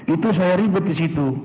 itu saya ribet disitu